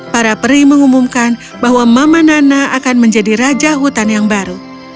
para peri mengumumkan bahwa mama nana akan menjadi raja hutan yang baru